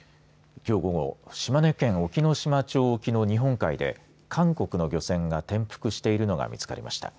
きょう午後、島根県隠岐の島町沖の日本海で韓国の漁船が転覆しているのが見つかりました。